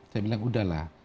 saya bilang sudah lah